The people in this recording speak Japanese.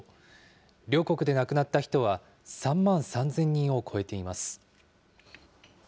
両国で亡くなった人は３万３０００人を超えています。